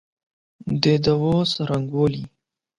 د دعا څرنګوالی